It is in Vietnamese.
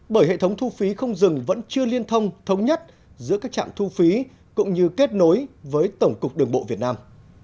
bởi hệ thống thu phí không dừng vẫn chưa liên thông thống nhất giữa các trạm thu phí cũng như kết nối với tổng cục đường bộ việt nam